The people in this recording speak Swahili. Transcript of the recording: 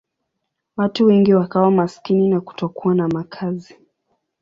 Watu wengi wakawa maskini na kutokuwa na makazi.